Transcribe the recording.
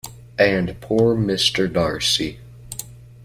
And poor Mr. Darcy!